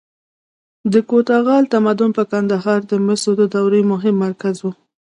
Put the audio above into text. د کوتاه غال تمدن په کندهار کې د مسو د دورې مهم مرکز و